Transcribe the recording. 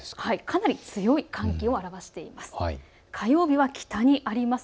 強い寒気を表しています。